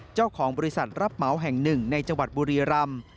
เจ้าของบริษัทรับเหมาแห่งหนึ่งในจังหวัดบุรีรำ